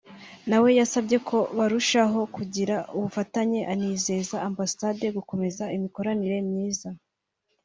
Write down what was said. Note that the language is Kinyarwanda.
nawe yasabye ko barushaho kugira ubufatanye anizeza ambasade gukomeza imikoranire myiza